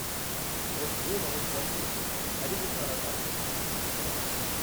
Votre eau va refroidir… allez vous faire la barbe.